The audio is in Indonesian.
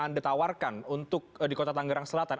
anda tawarkan untuk di kota tangerang selatan